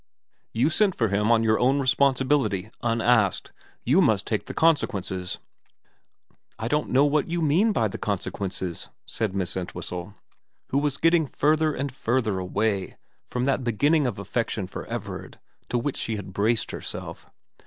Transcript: * You sent for him on your own responsibility, unasked. You must take the consequences.' * I don't know what you mean by the consequences,' said Miss Entwhistle, who was getting further and further away from that beginning of affection for Everard to which she had braced herself.